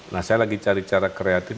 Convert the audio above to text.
nah saya lagi cari cara kreatif